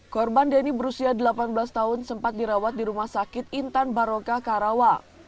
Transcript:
korban denny berusia delapan belas tahun sempat dirawat di rumah sakit intan baroka karawang